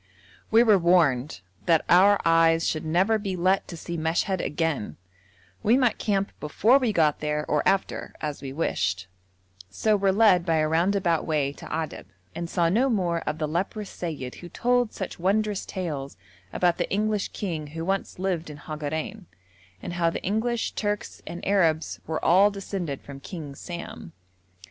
We were warned 'that our eyes should never be let to see Meshed again;' we might camp before we got there, or after, as we wished, so were led by a roundabout way to Adab, and saw no more of the leprous seyyid who told such wondrous tales about the English king who once lived in Hagarein, and how the English, Turks, and Arabs were all descended from King Sam.